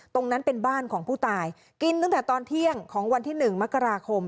ตรงนั้นเป็นบ้านของผู้ตายกินตั้งแต่ตอนเที่ยงของวันที่๑มกราคม